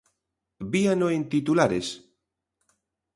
Víano en titulares.